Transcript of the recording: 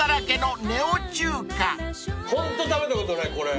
ホント食べたことないこれ。